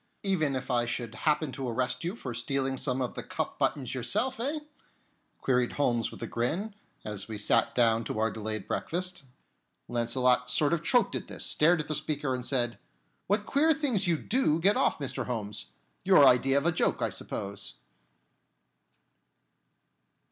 "Even if I should happen to arrest you for stealing some of the cuff buttons yourself, eh?" queried Holmes with a grin, as we sat down to our delayed breakfast. Launcelot sort of choked at this, stared at the speaker, and said: "What queer things you do get off, Mr. Holmes! Your idea of a joke, I suppose."